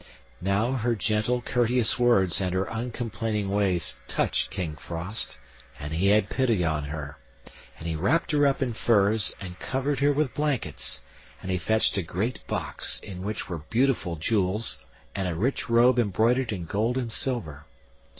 Now her gentle, courteous words and her uncomplaining ways touched King Frost, and he had pity on her, and he wrapped her up in furs, and covered her with blankets, and he fetched a great box, in which were beautiful jewels and a rich robe embroidered in gold and silver.